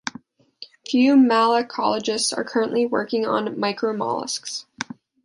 Few malacologists are currently working on micromollusks.